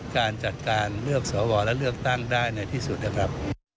การจัดการเลือกสวและเลือกตั้งได้ในที่สุดนะครับ